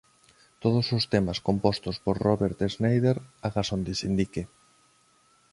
Todos os temas compostos por Robert Schneider agás onde se indique.